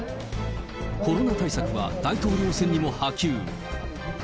コロナ対策は、大統領選にも波及。